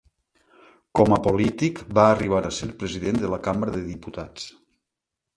Com a polític va arribar a ser president de la cambra de diputats.